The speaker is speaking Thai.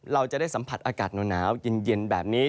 เราจะได้สัมผัสอากาศหนาวเย็นแบบนี้